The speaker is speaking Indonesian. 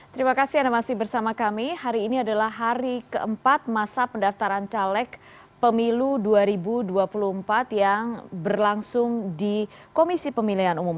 terima kasih anda masih bersama kami hari ini adalah hari keempat masa pendaftaran caleg pemilu dua ribu dua puluh empat yang berlangsung di komisi pemilihan umum